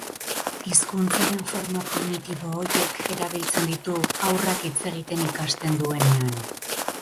Hizkuntzaren forma primitibo horiek erabiltzen ditu haurrak hitz egiten ikasten duenean.